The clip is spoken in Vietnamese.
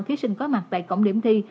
thí sinh có mặt tại cổng điểm thi